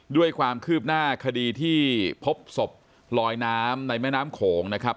ด้วยความคืบหน้าคดีที่พบศพลอยน้ำในแม่น้ำโขงนะครับ